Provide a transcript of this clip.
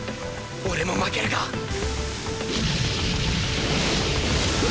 俺も負けるかえ。